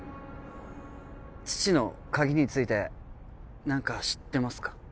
父の鍵について何か知ってますか？